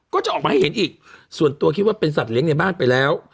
ก็จะออกมาให้เห็นอีกส่วนตัวคิดว่าเป็นสัตว์เลี้ยงในบ้านไปแล้ว